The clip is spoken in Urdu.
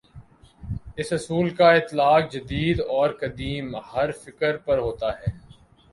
اس اصول کا اطلاق جدید اور قدیم، ہر فکرپر ہوتا ہے۔